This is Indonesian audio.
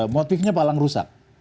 motifnya palang rusak